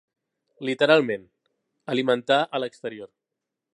Literalment, alimentar a l'exterior.